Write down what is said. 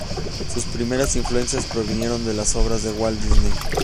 Sus primeras influencias provinieron de las obras de Walt Disney.